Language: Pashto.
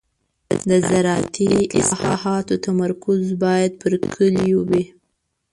د زراعتي اصلاحاتو تمرکز باید پر کليو وي.